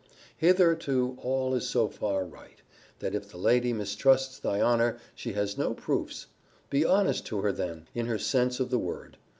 Hitherto all is so far right, that if the lady mistrusts thy honour, she has no proofs. Be honest to her, then, in her sense of the word.